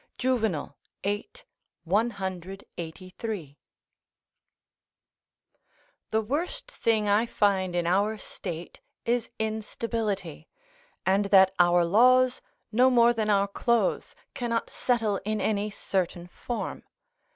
Juvenal, viii. 183.] The worst thing I find in our state is instability, and that our laws, no more than our clothes, cannot settle in any certain form.